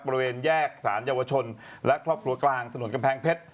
บริเวณแยกสารเยาวชนและครอบครัวกลางถนนกำแพงเพชร